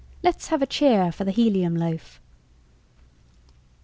Let's have a cheer for the helium loaf!"